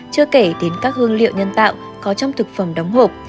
chưa kể đến các hương liệu nhân tạo có trong thực phẩm đóng hộp